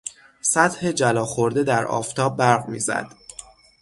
سطح جلا خورده در آفتاب برق میزد.